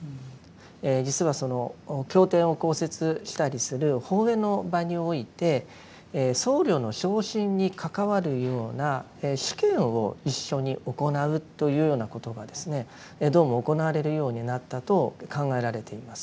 実はその経典を講説したりする法会の場において僧侶の昇進に関わるような試験を一緒に行うというようなことがですねどうも行われるようになったと考えられています。